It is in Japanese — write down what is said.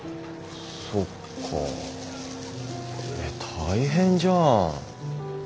そっか大変じゃん。